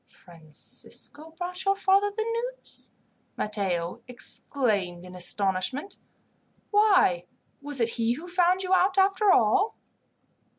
"Francisco brought your father the news!" Matteo exclaimed in astonishment. "Why, was it he who found you out, after all?"